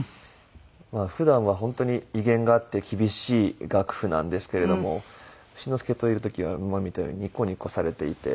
普段は本当に威厳があって厳しい岳父なんですけれども丑之助といる時は今みたいにニコニコされていて。